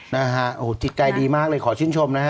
นะฮะโอ้โหจิตใจดีมากเลยขอชื่นชมนะฮะ